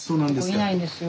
いないんですよ。